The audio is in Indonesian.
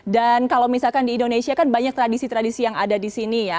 dan kalau misalkan di indonesia kan banyak tradisi tradisi yang ada di sini ya